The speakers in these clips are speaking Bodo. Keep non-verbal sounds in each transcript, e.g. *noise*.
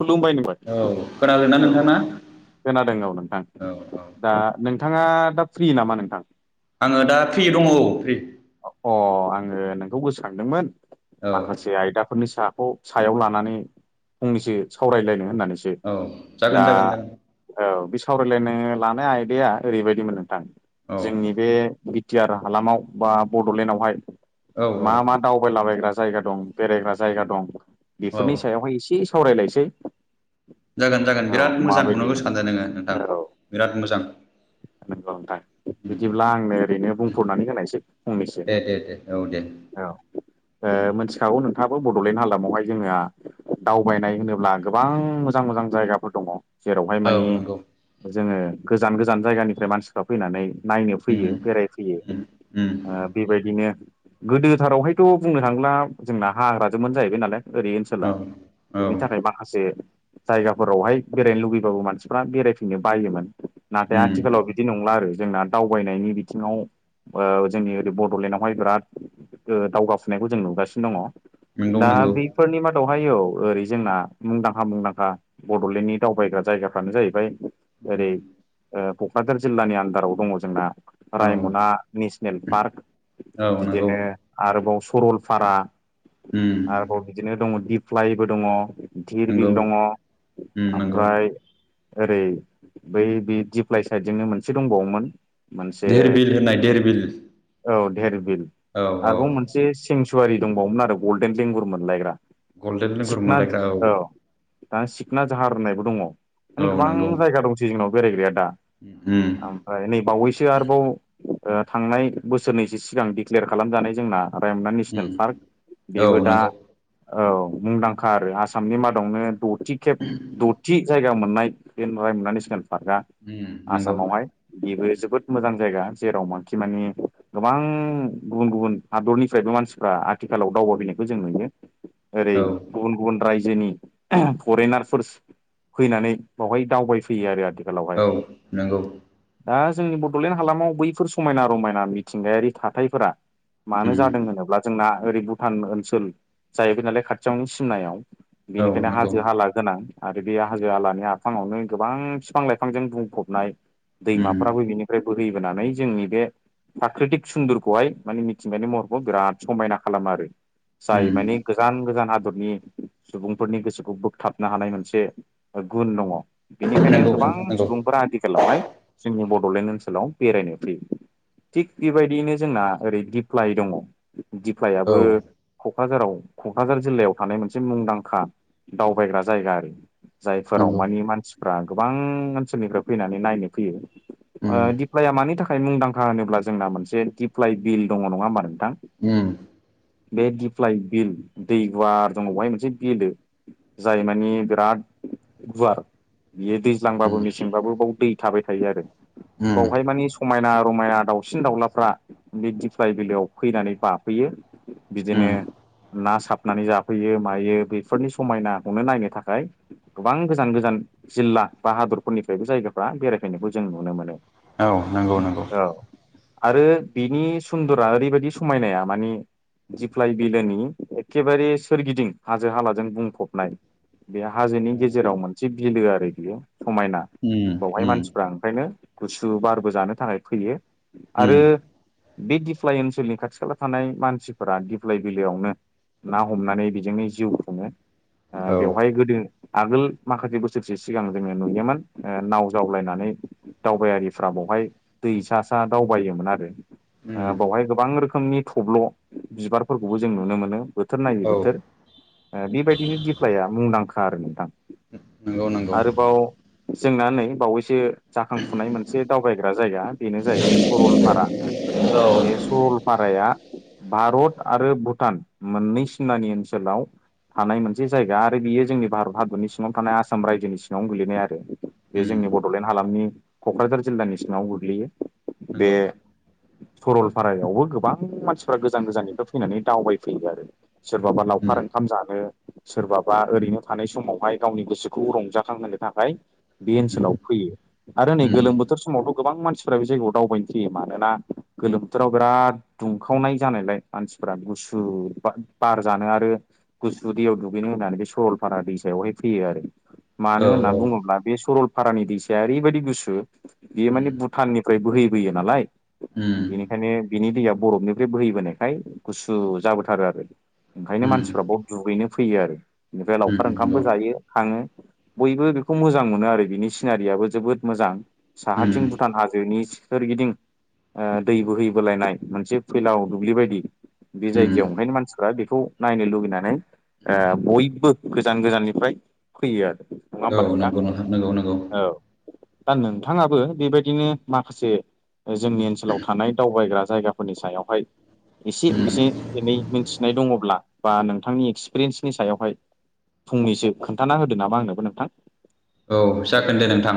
खुलुमबाय नोंबाय औ खोनादोंना औ नोंथाङा खोनादों औ नोंथां औ औ दा नोंथां थाङा दा फ्रि नामा नोंथां आङो दा फ्रि दङ' औ फ्रि ओ आङो नोंखौ गोसोखांदोंमोन औ माखासे आयदाफोरनि साहा खौ सायाव लानानै फंनैसो सावरायलायनो होननानैसो औ जागोन दा जागोन जागोन औ बि सावरायलायनो लानाय आयदाया ओरैबायदिमोन नोंथां औ जोंनि बे बिटि आर हालामाव बा बड'लेण्डआवहाय औ मा मा दावबायलाबायग्रा जायगा दं बेरायग्रा जायगा दं बेफोरनि औ सायावहाय एसे सावरायलायसै जागोन जागोन औ बिराद मोजां खुंननो माबायदि गोसो सानदों नोङो नोंथां बिराद मोजां नोंगौ नोंथां बिदिब्ला आंनो ओरैनो बुंफनानै होनायसै फंनैसो दे दे दे औ दे औ ओ मिथिखागौ नोंथाङाबो बड'लेण्ड हालामावहाय जोङो दावबायनाय होनोब्ला गोबां मोजां मोजां जायगाफोर दङ जेरावहाय माने औ नंगौ जोङो गोजान गोजान जायगानिफ्राय मानसिफ्रा फैनानै नायनो फैयो उम बेरायफैयो उम उम बेबायदिनो गोदोथारावहायथ' बुंनो थाङोब्ला जोंना हाग्राजोबानो जाहैबाय नालाय ओरै ओनसोला औ औ बेनि थाखाय माखासे जायगाफोरावहाय बेरायनो लुबैबाबो मानसिफ्रा बेरायफिननो बायोमोन नाथाय उम आथिखालाव बिदि नंला आरो जोंना दावबायनायनि बिथिङाव जोंनि ओरै बड'लेण्डआवहाय बिराद दावगाफुनायखौ जों नुगासिनो दङ। नंगौ दा नंगौ बेफोरनि मादाव हाय औ ओरै जोंना मुंदांखा मुंदांखा बड'लेण्डनि दावबायग्रा जायगाफ्रानो जाहैबाय ओरै उम ओ क'क्राझार जिल्लानि आन्दाराव दङ जोंना औ रायमना निस पार्क औ नंगौ बिदिनो आरोबाव सरलपारा उम आरोबाव बिदिनो दङ दिप्लइबो दङ धिर नंगौ बिल दङ उम नंगौ ओमफ्राय ओरै बै बे दिप्लइ साइदजोंनो मोनसे दंबावोमोन। मोनसे धेर बिल होनाय धेर बिल औ धेर बिल औ औ आरोबाव मोनसे सेंसुवारि दंबावोमोन आरो गल्डेन लेंगुर मोनलायग्रा गल्डेन लेंगुर सिखना मोनलायग्रा औ दाना सिखना जाहार होननायबो दङ औ माने गोबां नंगौ जायगा दंसै जोंनाव बेरायग्राया दा उम ओमफ्राय नै बावैसो आरोबाव थांनाय बोसोरनैसो सिगां दिडिक्लेयार खालामजानाय जोंना रायमना नेसनेल उम पार्क औ बेबो दा नंगौ औ मुंदांखा आरो आसामनि मादावनो दथि खेब दथि जायगा मोन नाय बे रायमना नेसनेल पार्कआ उम नंगौ आसामावहाय बेबो जोबोद मोजां जायगा। माने गोबां गुबुन गुबुन हादरनिफ्रायबो मानसिफ्रा आथिखालाव दावबायाबैनायखौ जों नुयो। ओरै औ गुबुन गुबुन राय जोनि फरेनारफोर फैनानै बावहाय दावबायफैयो आरो आरो औ नंगौ दा जोंनि बड'लेण्ड हालामाव बैफोर समायना रमायना मिथिंगायारि थाथायफोरा मानो उम जादों होनोब्ला जोंना ओरै भुटान ओनसोल जाहैबाय नालाय खाथियावनि सिमनायाव औ बेनिखायनो नंगौ हाजो हाला गोनां आरो बे हाजो आलानि आफाङावनो गोबां बिफां लाइफांजों बुंफबनाय उम दैमाफोराबो बिनिफ्राय बोहैबोनानै जोंनि बे फ्राकृतिक सुन्दरखौहाय माने मिथिंनि महरखौ बिराद समायना खालामा आरो उम जाय मानि गोजान गोजान हा फोरनि सुबुंफोरनि गोसोखौ बोगथाबनो हानाय मोनसे गुन दङ। बेनिखायनो नंगौ गोबां नोंथां नंगौ सुबुंफोरा आथिखालावहाय जोंनि बड'लेण्ड ओनसोलाव बेरायनो फैयो। थिग बेबायदियैनो जोंना ओरै दिफ्लाय दङ औ दिफ्लायाबो कक्राझाराव क'क्राझार जिल्लायाव थानाय मोनसे मुंदांखा दावबायग्रा जायगा आरो। जायफोराव नंगौ मानि मानसिफ्रा गोबां ओनसोलनिफ्राय फैनानै नायनो फैयो। ओ उम दिप्लइआ मानि थाखाय मुंदांखा होनोब्ला जोंना मोनसे दिप्लाइ बिल दङ नङा मानो उम बे दिफ्लाय बिल दै गुवार दङ बेहाय मोनसे बिलो जाय माने बिराद गुवार बियो उम दैज्लांबाबो मेसेंबाबो बाव दै थाबाय थायो आरो उम बावहाय माने समायना रमायना‌ दाउसिन दाउलाफ्रा बे दिफ्लाय बिलोयाव फैनानै बाफैयो बिदिनो उम ना साबनानै जाफैयो मायो बेफोरनि समायनाखौनो नायनो थाखाय गोबां गोजान गोजान जिल्ला बा हादरफोरनिफ्राय बे जायगाफ्रा बेरायफैनायखौ जों नुनो मोनो। औ नंगौ नंगौ। औ आरो बिनि सुन्दरा ओरै बायदि समायनाया मानि दिप्लाय बिलोनि एखेबारे सोरगिदिं हाजो हालाजों बुंफबनाय। बे हाजोनि औ गेजेराव मोनसे बिलो आरो बियो समायना उम बावहाय उम मानसिफ्रा ओंखायनो गुसु बारबो जानो थाखाय फैयो उम आरो बे दिप्लाय ओनसोलनि खाथि खाला थानाय मानसिफोरा दिप्लाय बिलयावनो ना हमनानै बेजोंनो जिउ खुङो ओ औ बेवहाय गोदो आगोल माखासे बोसोरसे सिगां जोङो नुयोमोन नाव जावलायनानै दावबायारिफ्रा बेावहाय दैसा सा दावबायोमोन आरो उम ओ बावहाय गोबां रोखोमनि थब्ल' बिबारफोरखौबो जों नुनो मोनो बोथोर नायै औ बोथोर ओ बेबायदिनो दिफ्लाया मुंदांखा आरो नोंथां नंगौ नंगौ आरोबाव जोंना नै बावैसो जाखांफुनाय मोनसे दावबायगोन जायगा बेनो जाहैबाय सरलपारा औ बे सरलपाराया भारत आरो भुटान मोननै सिमानि ओनसोलाव थानाय‌ मोनसे जायगा आरो बियो जोंनि भारत हादरनि सिङावनो थानाय आसाम रायजोनि सिङावनो गोलैनाय आरो बे जों उम जोंनि बड'लेण्ड हालामनि क'क्राझार जिल्लानि सिङाव गोग्लैयो बे नंगौ सरलपारायावबो गोबां मानसिफ्रा गोजान गोजाननिथ' फैनानै दावबायफैयो आरो सोरबाबा उम लावउखार ओंखाम जानो सोरबाबा ओरैनो थानाय समावहाय गावनि गोसोखौ रंजाखांहोनो थाखाय बे उम ओनसोलाव फैयो आरो नै उम गोलोम बोथोर समावथ' गोबां मानसिफ्रा बे जायगायाव दावबायनो फैयो मानोना गोलोम बोथोराव बिराद दुंखावनाय जानायलाय मानसिफोरा गुसु बार जानो आरो गुसु दैयाव दुगैनो होननानै बे सरलपारा दैसायावहाय फैयो आरो औ मानो औ होनना बुङोब्ला बे सरलपारानि दैसाया ओरैबायदि गुसु बेयो उम माने भुटाननिफ्राय बोहैबोयो नालाय उम बिनिखायनो बिनि दैया बरफनिफ्राय बोहैबोनायखाय गुसु जाबोथारो आरो ओंखायनो उम मानसिफ्रा बाव दुगैनो फैयो आरो बेनिफ्राय उम लावखार नंगौ ओंखामबो जायो थांङो बयबो बेखौ मोजां मोनो आरो बिनि सिनारियाबो जोबोद मोजां उम साहाथिं भुटान हाजो बेनि सोरगिदिं ओ दै बोहै बोलायनाय मोनसे फैलाव दुब्लि बायदि बे उम जायगायाव ओंखायनो मानसिफ्रा बेखौ नायनो लुुबैनानै ओ बयबो गोजान गोजाननिफ्राय फैयो आरो नङा होमबा औ नोंथां नंगौ नंगौ नंगौ औ दा नोंथाङाबो बेबायदिनो माखासे जोंनि ओनसोलाव थानाय दावबायग्रा जायगाफोरनि सायावहाय एसे उम एसे एनै मिथिनाय दङब्ला बा नोंथांनि एक्सपिरियेन्सनि सायावहाय फंनैसो खोन्थाना होदो नामा आंनोबो नोंथां औ जागोन दे नोंथां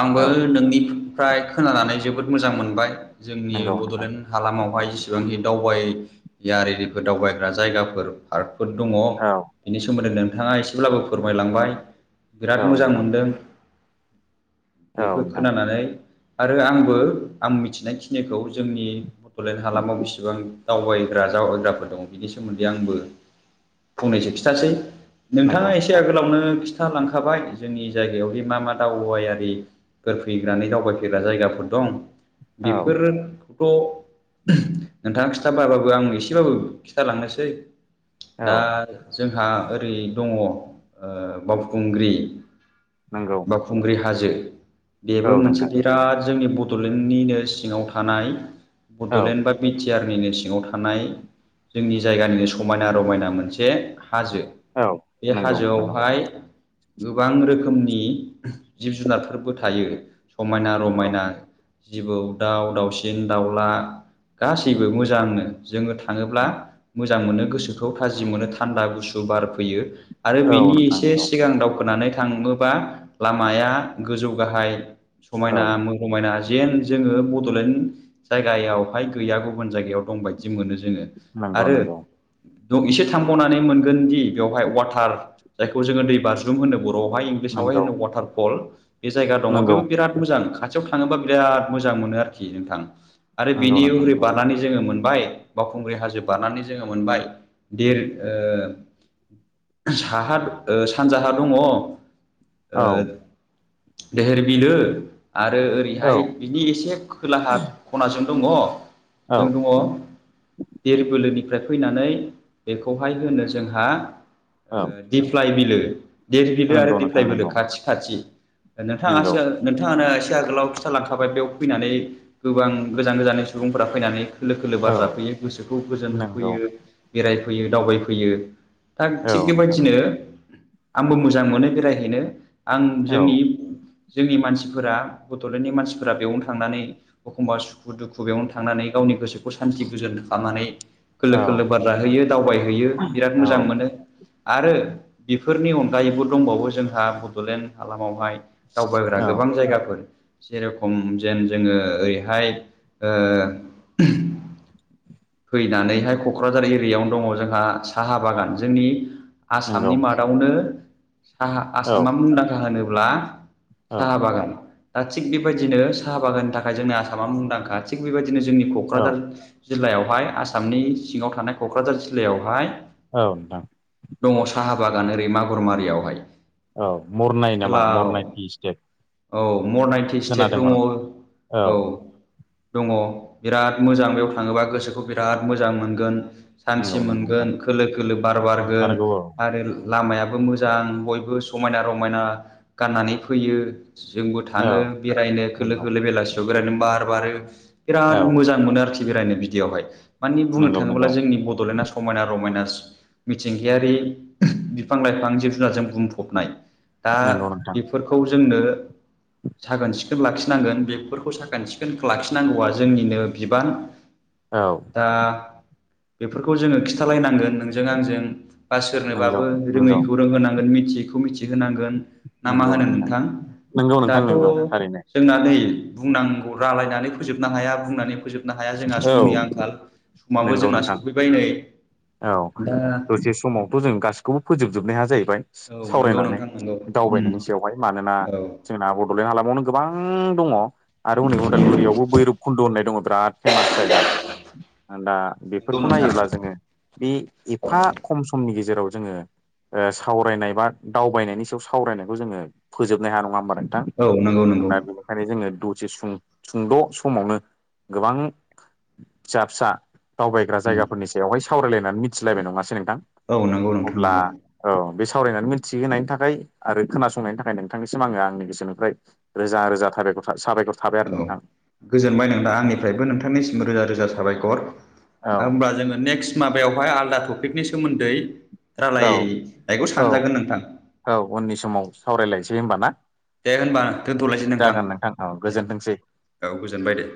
आंबो औ नोंनिफ्राय खोनानानै जोबोद मोजां मोनबाय जोंनि नंगौ नोंथां बड'लेण्ड हालामावहाय जेसेबांखि दावबाय इयार इरिफोर दावबायग्रा जायगाफोर पार्कफोर दङ औ बिनि सोमोन्दै नों नोंथाङा एसेब्लाबो फोरमायलांबाय बिराद मोजां मोनदों औ औ बेफोर नोंथां खोनानानै आरो आंबो आं मिथिनायखिनिखौ जोंनि बड'लेण्ड हालामाव बिसिबां दावबायग्रा जावग्राफोर दङ बिनि सोमोन्दै आंबो फंनैसो खिथासै नंगौ नोंथाङा एसे नोंथां आगोलावनो खिथा लांखाबाय। जोंनि जायगायावदि मा मा दावबायारिफोर फैनानै दावबायफैग्रा जायगाफोर दं। औ बेफोर थ' नोंथाङा खिथाबाबाबो आं एसेबाबो खिथालांनोसै औ दा जोंहा ओरै दङ बावखुंग्रि नंगौ बावखुंग्रि हाजो बेबो औ मोनसे नोंथां बिराद जोंनि बड'लेण्डनिनो सिङाव थानाय औ बड'लेण्ड बा बि टि आर सिङाव थानाय जोंनि जायगानिनो समायना रमायना मोनसे हाजो औ बे नंगौ नंगौ हाजोआवहाय रोखोमनि जिब जुनारफोरबो थायो समायना रमायना जिबौ दाउ दाउसिन दाउला गासैबो मोजांनो जोङो थाङोब्ला नंगौ मोजां मोनो गोसोखौ थाजि मोनो थान्दा गुसु बार फैयो। आरो बिनि औ नोंथां एसे नंगौ सिगां दावखोनानै थाङोबा लामाया गोजौ गाहाय औ समायना रमायना जेन जोङो बड'लेण्ड जायगायावहाय गैया गुबुन जायगायाव दंबायदि। मोनो जोङो नंगौ आरो नंगौ दं एसे थांबावनानै मोनगोन दि बेवहाय वाटार जायखौ जोङो दै बारज्रुम होनो बर'आव। *inaudible* नंगौ खाथियाव नंगौ थाङोबा बिराद मोजां मोनो आरोखि नोंथां आरो नंगौ बिनि नोंथां हओरै नंगौ बारनानै जोङो मोनबाय। बावखुंग्रि हाजो बारनानै जोङो मोनबाय दिर साहा सानजाहा दङ। आ औ देरबिलो। आरो औ ओरैहाय बिनि एसे खोलाहा खनाजों दङ। औ जों दङ देरबोलोनि ओमफ्राय फैनानै बेखौहाय होनो जोंहा औ दिफ्लाय बिलो देर बिलो आरो नंगौ दिफ्लाय नोंथां बिलो नंगौ खाथि खाथि। नंगौ नोंथाङासो नोंथाङानो। फि आगोलाव खिथा लांखाबाय बेयाव फैनानै गोबां गोजान गोजान सुबुंफोरा फैनानै खोलो खोलो बार औ जाफैयो गोसोखौ गोजोन नंगौ होफैयो बेरायफैयो दावबायफैयो। दा औ थिग नोंथां बेबायदिनो आंबो मोजां मोनो बेरायहैनो। आं औ जोंनि जोंनि मानसिफोरा बड'लेण्डनि मानसिफोरा बेयावनो थांनानै एखमबा सुखु दुखु बेयावनो थांनानै गावनि गोसोखौ खौ सान्थि गोजोन खालामनानै लोलो औ खोलो बार जाहोयो दावबायहैयो बिराद मोजां औ मोनो। आरो बेफोरनि अनगायैबो दंबावो जोंहा बड'लेण्ड हालामावहाय दावबायग्रा औ गोबां जायगाफोर। जेरखम जेन जोङो ओरैहाय फैनानैहाय क'क्राझार एरियायावनो दङ जोंहा साहा बागान जोंनि नंगौ आसामनि मादावनो औ आसामा मुंदांखा होनोब्ला औ साहा बागान दा थिग बेबायदिनो साहा बागाननि थाखाय जोंनि आसामा मुंदांखा थिग बेबायदि बिदिनो जोंनि औ क'क्राझार जिल्लायावहाय आसामनि सिङाव थानाय क'क्राझार जिल्लायावहाय औ नोंथां। दङ साहा बागान ओरै मागुर मारियावहाय। औ मरनाय नामा मरनाय पि सटे। औ मर नाइन्टि स्टेट दङ औ। दङ बिराद मोजां बेयाव थाङोबा गोसोखौ बिराद मोजां मोनगोन। सान्थि नंगौ नंगौ मोनगोन नोंथां खोलो खोलो बार बारगोन नंथारगौ औ आरो लामायाबो मोजां बयबो समायना रमायना गाननानै फैयो जोंबो औ थाङो बेरायनो खोलो नंगौ खोलो बेलासि बे बेरायनो बार बारो बिराद औ मोजां मोनो आरोखि बेरायनो बिदियावहाय। मानि बुंनो नंगौ थाङोब्ला नंगौ जोंनि बड'लेण्डआ समायना रमायना। मिथिंगायारि बिफां लाइफां जिब जुनारजों बुंफबनाय। दा नंगौ नोंथां बेफोरखौ जोंनो साखोन सिखोन लाखिनांगोन बेफोरखौ साखोन सिखोन लाखिनांगौआ जोंनिनो बिबान औ दा बेफोरखौ जोंङो खिन्थालायनांगोन नोंजों आंजों बा नंगौ सोरनोबाबो नंगौ रोङैखौ रोंहोनांगोन मिथियैखौ मिथिहोनांगोन ना मा होनो नोंथां नंगौ नोंथां दाथ नंगौ थारैनो जोंना नै बुंनांगौ रायलायनानै फोजोबनो हाया बुंनानै फोजोबनो हाया जोंहा औ समनि आंखाल आंखाल समाबो नंगौ जोंना नोंथां सफैबाय नै औ दा दसे समावथ जों गासिखौबो फोजोबजोबनो हा जाहैबाय औ नंगौ सावरायनानै नोंथां नंगौ उम दावबायनायनि सायावहाय मानोना औ जोंना बडलेण्ड हालामावनो गोबां दङ आरो हनै उदालगुरियावबो भैरब खुन्द होननाय दङ बिराद फेमास जायगा दा नंगौ बेफोरखौ नोंथां नायोब्ला जोंङो बे एफा खम समनि गेजेराव जोंङो ओ सावरायनाय बा दावबायनायनि सायाव सावरायनायखौ जोंङो फोजोबनो हाया नङा होमबा दा औ नंगौ नंगौ बेनिखायनो जोंङो दसे सुंद' समावनो गोबां फिसा फिसा दावबायग्रा उम जायगाफोरनि सायावहाय सावरायलायनानै मिथिलायबाय नङासै। औ नंगौ नोंथां अब्ला नंगौ औ बे सावरायनानै मिथिहोनायनि थाखाय आरो खोनासंनायनि थाखाय नोंथांनिसिम आंङो आंनि गोसोनिफ्राय रोजा रोजा साबायखर था साबायखर थाबाय आरो औ नोंथां गोजोनबाय नोंथा आंनिफ्रायबो नोंथांनिसिम रोजा रोजा साबायखर आरो औ होनब्ला जोंङो नेक्स्ट माबायावहाय आलदा टपिकनि सोमोन्दै औ रायलायनायखौ औ सानजागोन नोंथां औ उननि समाव सावरायलायसै होमबा ना दे होनबा दोन्थ'लायसै नोंथां। जागोन औ दे गोजोनथोंसै। औ गोजोनबाय दे।